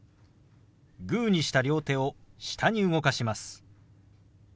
グーにした両手を下に動かします。